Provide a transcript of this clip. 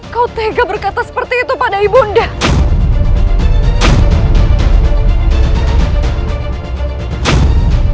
kau tega berkata seperti itu pada ibu undamu